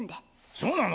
そうなの⁉